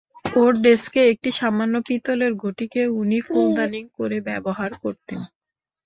ওঁর ডেস্কে একটি সামান্য পিতলের ঘটিকে উনি ফুলদানি করে ব্যবহার করতেন।